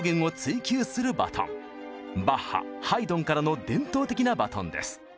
バッハハイドンからの伝統的なバトンです。